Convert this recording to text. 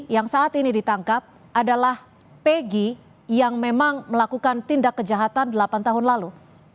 yang saat ini ditangkap adalah pg yang memang melakukan tindak kejahatan delapan tahun lalu